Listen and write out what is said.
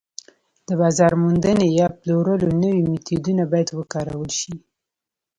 د بازار موندنې یا پلورلو نوي میتودونه باید وکارول شي